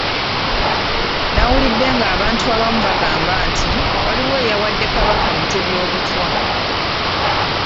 Nawulidde ng'abantu abamu bagamba nti waliwo eyawadde Kabaka Mutebi Obutwa.